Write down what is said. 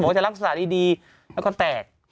บอกว่าจะรักษาดีแล้วก็แตก